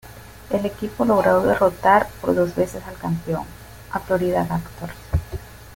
El equipo logró derrotar por dos veces al campeón, a Florida Gators.